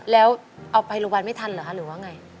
แล้วเอาไปโรงพยาบาลไม่ทันหรือประมาณยังไง